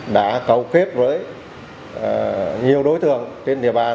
đã cầu kết với nhiều đối tượng trên địa bàn